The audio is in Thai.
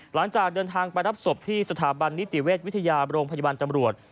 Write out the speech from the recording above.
หลังจากเดินทางไปรับศพที่สถาบันนิติเวชวิทยาโรงพยาบาลตำรวจ